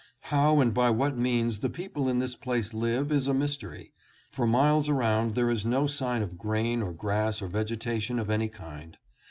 How and by what means the people in this place live is a mystery. For miles around there is no sign of grain or grass or vegetation of any kind.